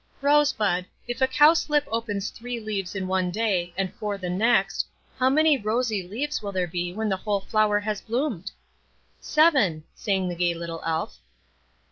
"Rosebud, if a Cowslip opens three leaves in one day and four the next, how many rosy leaves will there be when the whole flower has bloomed?" "Seven," sang the gay little Elf.